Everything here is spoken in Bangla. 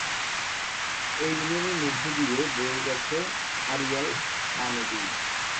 এই ইউনিয়নের মধ্য দিয়ে বয়ে গেছে আড়িয়াল খাঁ নদী।